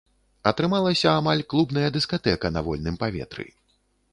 Атрымалася амаль клубная дыскатэка на вольным паветры.